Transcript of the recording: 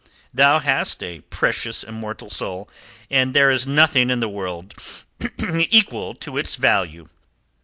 Thou hast a precious immortal soul, and there is nothing in the world equal to it in value.